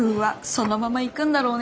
そのままいくんだろうね